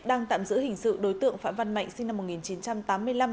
đang tạm giữ hình sự đối tượng phạm văn mạnh sinh năm một nghìn chín trăm tám mươi năm